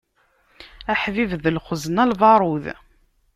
Aḥbib d lxezna n lbaṛud.